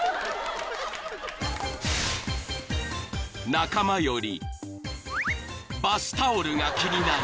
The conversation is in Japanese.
［仲間よりバスタオルが気になり］